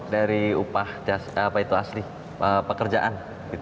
dari upah pekerjaan